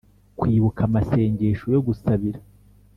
Kwibuka amasengesho yo gusabira